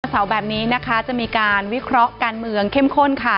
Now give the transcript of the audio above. เสาร์แบบนี้นะคะจะมีการวิเคราะห์การเมืองเข้มข้นค่ะ